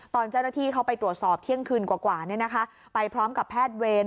ตอนเจ้าหน้าที่เขาไปตรวจสอบเที่ยงคืนกว่าไปพร้อมกับแพทย์เวร